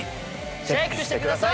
チェックしてください！